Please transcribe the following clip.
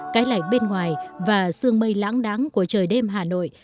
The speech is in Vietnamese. cái lạnh bên ngoài và sương mây lãng đáng của trời đêm hà nội